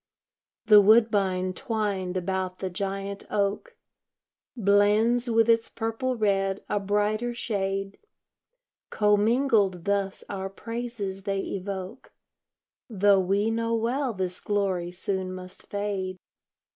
The woodbine twined about the giant oak Blends with its purple red a brighter shade. Co mingled thus our praises they evoke, Tho' we know well this glory soon must fade.